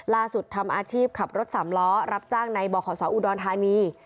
ล่าสุดทำอาชีพขับรถสำร้อรับจ้างในบ่ขสาออุดรธานี